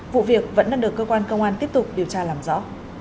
vụ việc vẫn đang được cơ quan công an tiếp tục điều tra làm rõ